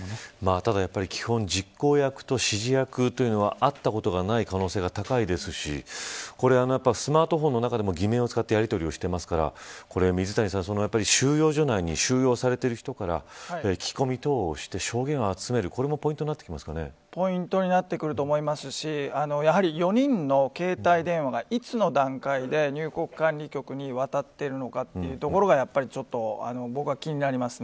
ただ、実行役と指示役は会ったことがない可能性が高いですしスマートフォンの中でも偽名を使ってやり取りをしてますから水谷さん、収容所内に収容されている人から聞き込み等をして証言を集めるこれもポイントになってくると思いますしやはり４人の携帯電話がいつの段階で入国管理局に渡っているのかというのがやっぱり僕は気になりますね。